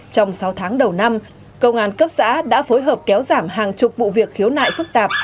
trong sáu tháng đầu năm công an cấp xã đã phối hợp kéo giảm hàng chục vụ việc khiếu nại phức tạp